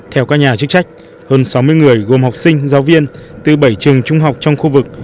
theo các nhà chức trách hơn sáu mươi người gồm học sinh giáo viên từ bảy trường trung học trong khu vực